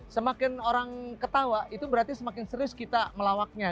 semakin orang ketawa itu berarti semakin serius kita melawaknya